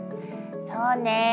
そうね。